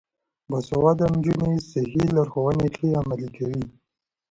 باسواده نجونې صحي لارښوونې ښې عملي کوي.